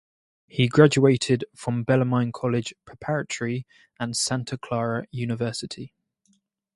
He graduated from Bellarmine College Preparatory and Santa Clara University.